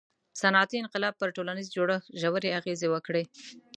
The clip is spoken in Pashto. • صنعتي انقلاب پر ټولنیز جوړښت ژورې اغیزې وکړې.